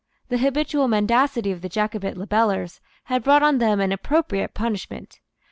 The habitual mendacity of the Jacobite libellers had brought on them an appropriate punishment.